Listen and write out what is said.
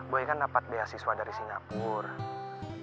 gue kan dapat beasiswa dari singapura